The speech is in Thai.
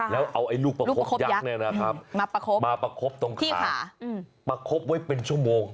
แล้วเอาไอลูกประคบยักษ์เนี่ยนะครับมาประคบตรงขาประคบไว้เป็นชั่วโมง